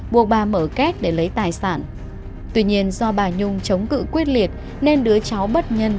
buộc bà mở két để lấy tài sản tuy nhiên do bà nhung chống cự quyết liệt nên đứa cháu bất nhân